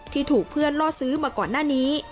ที่ถูกเพื่อนล่อซื้อมาก่อนหน้านี้